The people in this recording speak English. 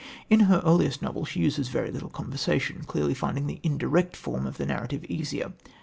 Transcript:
In her earliest novel she uses very little conversation, clearly finding the indirect form of narrative easier.